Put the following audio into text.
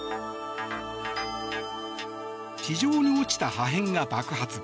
地上に落ちた破片が爆発。